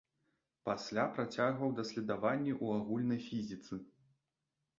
Пасля, працягваў даследаванні ў агульнай фізіцы.